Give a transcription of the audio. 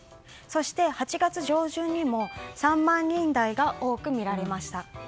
そして８月上旬にも３万人台が多くみられました。